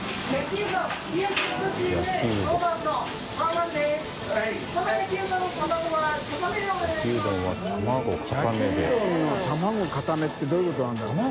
討Δ匹鵑卵かためってどういうことなんだろう？